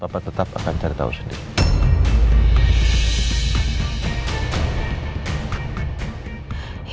papa tetap akan cari tau sendiri